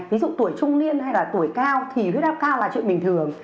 ví dụ tuổi trung niên hay là tuổi cao thì huyết áp cao là chuyện bình thường